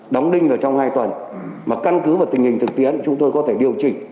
đóng đinh ở trong hai tuần mà căn cứ vào tình hình thực tiễn chúng tôi có thể điều chỉnh